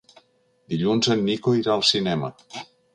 Dilluns en Nico irà al cinema.